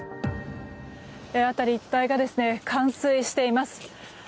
辺り一帯が冠水しています。